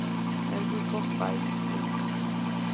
El grupo Fire Inc.